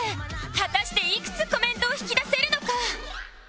果たしていくつコメントを引き出せるのか？